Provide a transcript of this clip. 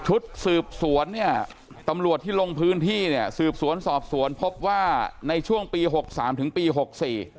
ชุดสืบสวนเนี่ยตำรวจที่ลงพื้นที่เนี่ยสืบสวนสอบสวนพบว่าในช่วงปีหกสามถึงปีหกสี่